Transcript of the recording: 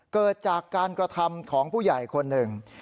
เกิดจากการกระทำของผู้ใหญ่คนหนึ่ง